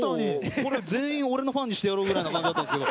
もう全員俺のファンにしてやろうくらいな感じだったんですけど。